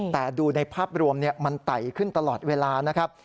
แต่ดูในภาพรวมมันไต่ขึ้นตลอดเวลานะครับ